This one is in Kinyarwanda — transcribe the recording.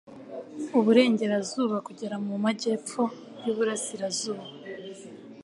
uburengerazuba kugera mu majyepfo y'uburasirazuba .